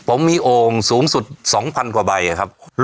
ผมมีโอ่งสูงสุดสองพันกว่าใบค่ะครับโหยอดค่ะ